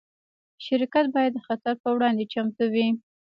شرکت باید د خطر پر وړاندې چمتو وي.